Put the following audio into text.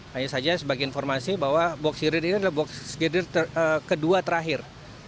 hanya saja sebagai informasi bahwa box hirir ini adalah box girder kedua terakhir